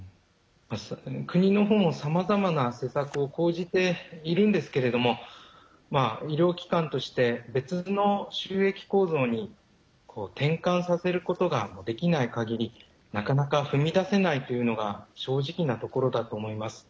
国のほうもさまざまな施策を講じているんですけども医療機関として別の収益構造に転換させることができないかぎりなかなか踏み出せないというのが正直なところだと思います。